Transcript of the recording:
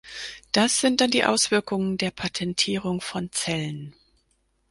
Das sind dann die Auswirkungen der Patentierung von Zellen.